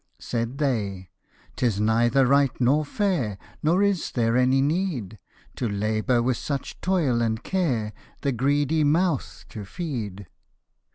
Said they, " 'Tis neither right nor fair, Nor is there any need, To labour with such toil and care, The greedy mouth to feed."